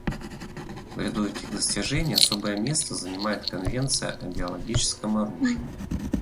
В ряду этих достижений особое место занимает Конвенция о биологическом оружии.